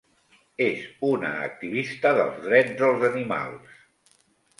És una activista dels drets dels animals.